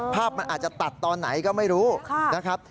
ภาพมันอาจจะตัดตอนไหนก็ไม่รู้นะครับ